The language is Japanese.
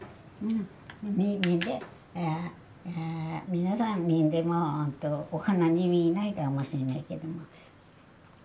皆さん見てもお花に見えないかもしれないけど。